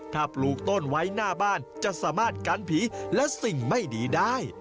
ถ้าปลูกต้นไว้หน้าบ้านจะสามารถกันผีและสิ่งไม่ดีได้